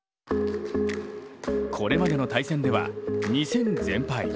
これまでの対戦では２戦全敗。